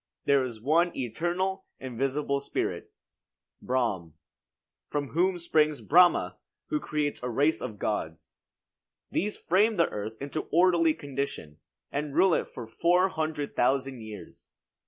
There is one eternal, invisible spirit, Brahm, from whom springs Brahma, who creates a race of gods. These frame the earth into orderly condition, and rule it for four hundred thousand years.